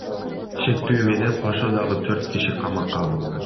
Шектүү менен кошо дагы төрт киши камакка алынган.